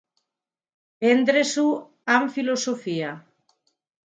Prendre-s'ho amb filosofia.